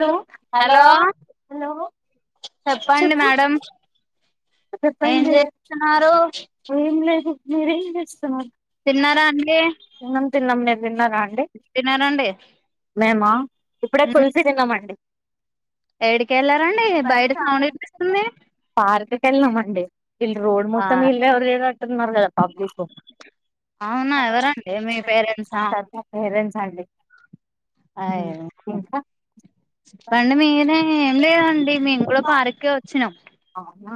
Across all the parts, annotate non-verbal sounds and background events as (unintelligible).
Hollow hello hello hello hello చెప్పండి madam ఆ చెప్పండి. ఏం లేదు. మీరేం చేస్తున్నారు. తిన్నారా అండి తిన్నం తిన్నాం మీరు తిన్నారా అండి తిన్నారండి మేమా ఇప్పుడే పులుసు తిన్నామండి ఏడికి కెళ్ళారండి బయట సౌండ్ ఇనిపిస్తుంది పార్క్ కి వెళ్ళామండి ఇల్ రోడ్ మొత్తం ఇల్లె ఓవర్ జేసేతున్నారుగా పబ్లికు అవునా ఎవరండి మీ పేరెంట్సా పతి పేరెన్ సర్లే రొండు మీయేనా ఏం లేదండి మేము కూడా పార్కే వచ్చినం అవునా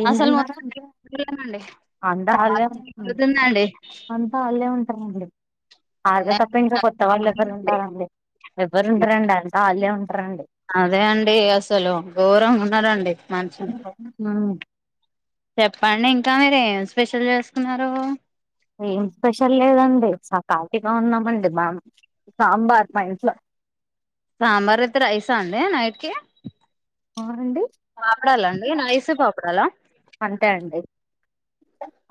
ఏం అసలువో తిన్నారు అంతా అల్లే వుంటున్నారు అంతా ఆల్లే ఉం పోన్లే అ ఎవరు ఉంటారండి ఎవ్వరు ఉంటారండి అంతా ఆళ్ళే ఉంటారండి అదే అండి అసలు గౌరవం ఉండదండి మంచి మ్ చెప్పండి ఇంకా మీరు ఏం స్పెషల్ చేస్కునరు ఏం స్పెషల్ లేదండి సకాల్తీగా ఉన్నామండి మ కాంబత్ మా ఇంట్లో సాంబార్ అయితే రైసా అండి నైట్కి అవునండి రైస్ పాపడాలా అంతే అండి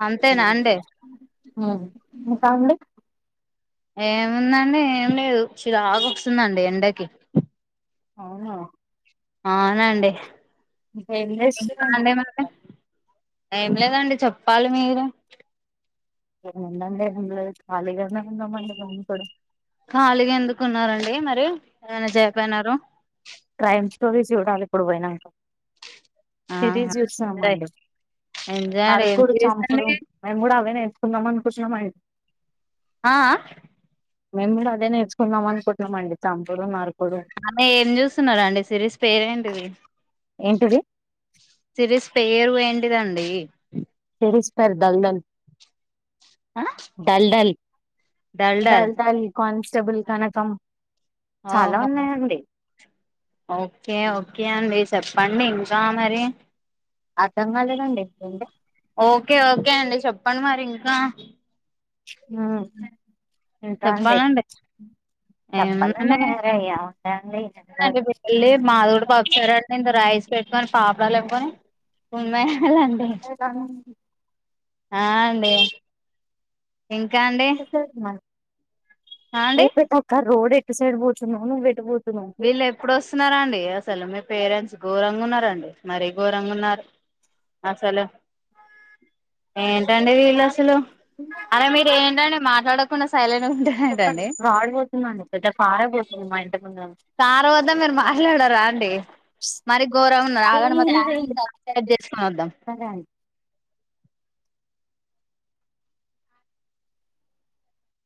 అంతేనా అండి ఉ ఇంకా అండి ఏముందండి ఏం లేదు చిరాగొస్తుందండి ఎండకి అవునా అవునండి ఇంకా ఎంజేసుర్ ఇంకా ఆంటీ అండి మరి ఏం లేదండి చెప్పాలి మీరు ఏంముందండి ఏంలేదు ఖాళీగానే ఉన్నామండి మేం కూడా ఖాలి ఎందుకున్నారండి మరి ఏమన జైపోయినారు టు వీక్స్ చూడాలి ఇప్పుడు పోయిననంక తిరిగి ఆహా చూసామండి ఎంజాయ్ అండి ఏం నరుకుడు సిరీస్ అండి చంపుడు మేము కూడా అవే నే వునమని కుచుల మైరు ఆ ఆ మేము కూడా అదే నేర్చుకుందాం అనుకుంటున్నమండీ తం పొడోమారు ఆమె ఏం చూస్తున్నరండి సిరీస్ పేరేంటిది ఏంటిది సిరీస్ పేరు ఏంటిదండి (unintelligible) డల్ ఆ డల్ డల్ దా డల్ దల్ కోన్స బుల్ కనకం చాలా ఓహ ఉన్నాయండి ఓకేఓకే అండి చెప్పండి ఇంకా మరి అర్థం కాలేదండి ఏంటి ఓకే ఓకే అండి చెప్ పండి మారింటికా ఆ ఎంటా అండి చెప్పాలండి చెప్పాలండి మేర ఏం అట్లయింది అండి పెళ్ళి మాది కూడా పప్పుచారు రాఇస్ పెట్టుమని పాపడాలు ఇవ్వన పోనీ అంతనే ఆ అండి ఇంకా అండి ఆ అండి (unintelligible) రోడ్ ఎటు సైడ్ పోతున్నావ్ నువ్వు ఎటు పోతునావ్ వీళ్ళు ఎప్పుడు వస్తున్నారా అండి అసలు మీ పేరెంట్స్ ఘోరంగా ఉన్నారండి మరీ ఘోరంగా ఉన్నారు అసలు ఏంటండి వీళ్ళు అసలు అరే మీరు ఏంటండి మాట్లాడ కుండా సైలెన్స్ చెప్పండి వాడిపోతుందండి పెద్ద పారపోతుంది మా ఇంట ముందు సార్ వద్ద మీరు మాట్లాడరా అండి మరి ఘోరం ఉన్నది ఆగండి రాగానే మ చేసుకని వద్దాం సరే అండి